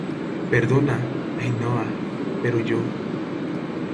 perdona , Ainhoa , pero yo ...